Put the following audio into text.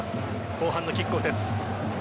後半のキックオフです。